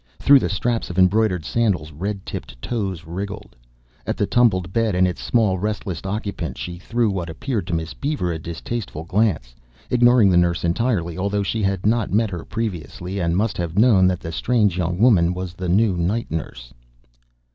Through the straps of embroidered sandals red tipped toes wriggled. At the tumbled bed and its small restless occupant she threw what appeared to Miss Beaver a distasteful glance, ignoring the nurse entirely although she had not met her previously and must have known that the strange young woman was the new night nurse.